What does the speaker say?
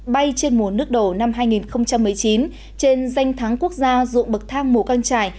bay trên mùa nước đổ năm hai nghìn một mươi chín trên danh thắng quốc gia dụng bậc thang mù căng trải